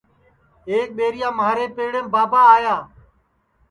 ایک ٻیریا مھارے پیڑیم بابا آیا